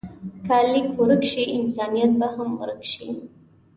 که لیک ورک شي، انسانیت به هم ورک شي.